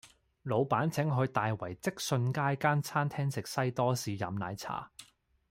老闆請我去大圍積信街間餐廳食西多士飲奶茶